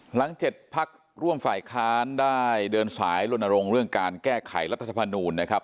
๗พักร่วมฝ่ายค้านได้เดินสายลนรงค์เรื่องการแก้ไขรัฐธรรมนูลนะครับ